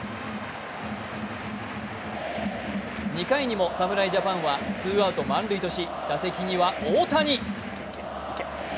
２回にも侍ジャパンはツーアウト満塁とし打席には大谷。